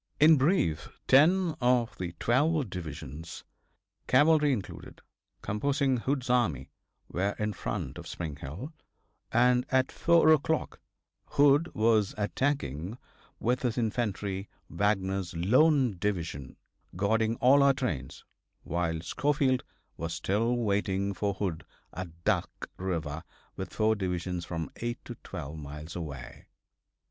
In brief, ten of the twelve divisions, cavalry included, composing Hood's army, were in front of Spring Hill, and at 4 o'clock Hood was attacking with his infantry Wagner's lone division, guarding all our trains, while Schofield was still waiting for Hood at Duck river with four divisions from eight to twelve miles away.